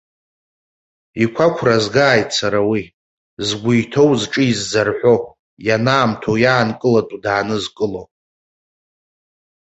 Иқәақәра згааит сара уи, згәы иҭоу зҿы иззарҳәо, ианаамҭоу иаанкылатәу даанызкыло.